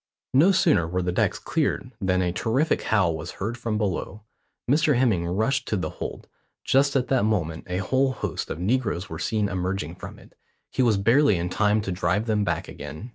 No sooner were the decks cleared than a terrific howl was heard from below. Mr Hemming rushed to the hold; just at that moment a whole host of negroes were seen emerging from it. He was barely in time to drive them back again.